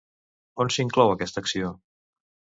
On s'inclou aquesta acció?